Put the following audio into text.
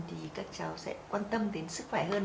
thì các cháu sẽ quan tâm đến sức khỏe hơn